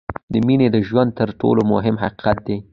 • مینه د ژوند تر ټولو مهم حقیقت دی.